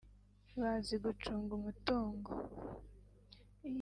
bazi gucunga umutungo